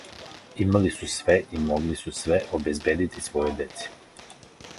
Имали су све и могли су све обезбиједити својој дјеци.